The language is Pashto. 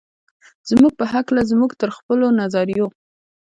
زموږ په هکله زموږ تر خپلو نظریو.